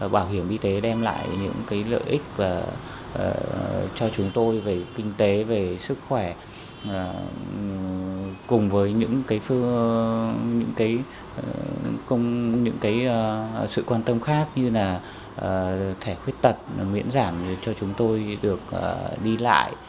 bảo hiểm y tế đem lại những lợi ích và cho chúng tôi về kinh tế về sức khỏe cùng với những sự quan tâm khác như là thẻ khuyết tật miễn giảm cho chúng tôi được đi lại